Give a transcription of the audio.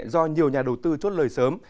do nhiều nhà đầu tư chốt lời sớm